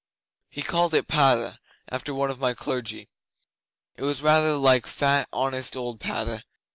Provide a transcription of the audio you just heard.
He called it Padda after one of my clergy. It was rather like fat, honest old Padda.